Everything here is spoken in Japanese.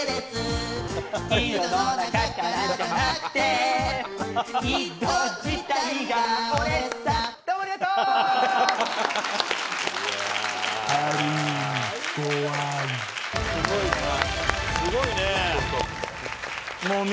すごいな。